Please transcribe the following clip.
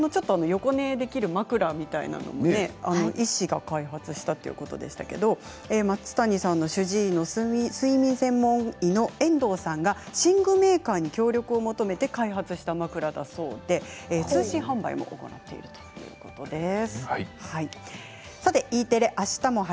横寝できる枕みたいなものが医師が開発したということでしたけれど松谷さんの主治医の睡眠専門医の遠藤さんが寝具メーカーに協力を求めて開発した枕だそうで通信販売もしているということです。